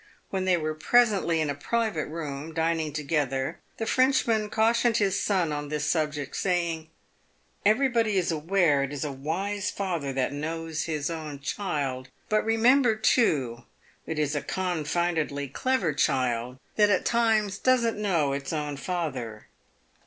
When they were presently in a private room, dining together, the Frenchman cautioned his son on this subject, saying, " Everybody is aware it is a wise father that knows his own child, but remember, too, it is a confoundedly clever child that at times doesn't know its own father.